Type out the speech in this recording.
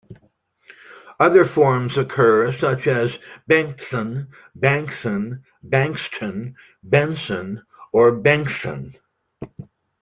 Other forms occur, such as "Bengtzon", Bankson, Bankston, Benson or "Benktsson".